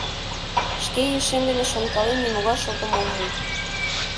Шке ешем дене шонкален нимогай шотым ом му.